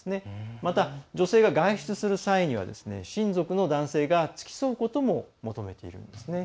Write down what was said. また、女性が外出する際には親族の男性が付き添うことも求めているんですね。